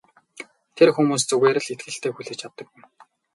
Тэр хүмүүс зүгээр л итгэлтэй хүлээж байдаг юм.